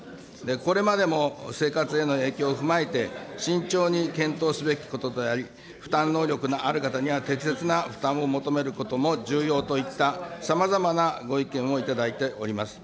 これまでも生活への影響を踏まえて、慎重に検討すべきこととなり、負担能力のある方には適切な負担を求めることも重要といった、さまざまなご意見を頂いております。